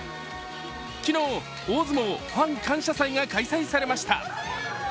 昨日、大相撲ファン感謝祭が開催されました。